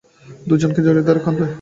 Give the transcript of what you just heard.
দু জনকে জড়িয়ে ধরে কাব্দে।